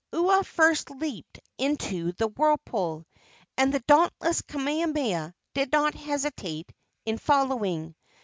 Ua first leaped into the whirlpool, and the dauntless Kamehameha did not hesitate in following.